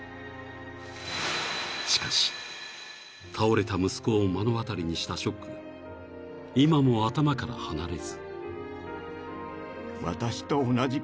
［しかし倒れた息子を目の当たりにしたショックが今も頭から離れず］